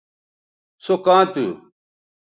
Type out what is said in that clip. سو کاں تھو